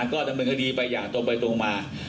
ก็ดำเนินคดีไปอย่างตรงไปตรงมา